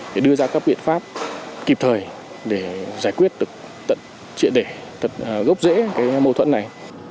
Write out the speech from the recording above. để đưa ra các biện pháp kịp thời để giải quyết được trịa đề gốc rễ mâu thuẫn này